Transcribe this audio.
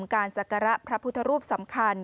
การศักระพระพุทธรูปสำคัญ